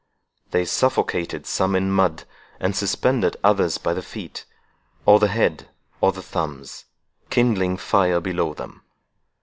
They suffocated some in mud, and suspended others by the feet, or the head, or the thumbs, kindling fires below them.